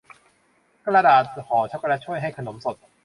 กระดาษห่อช็อคโกแลตช่วยให้ขนมสด